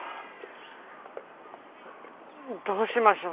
どうしましょう？